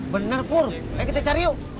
benar pur ayo kita cari yuk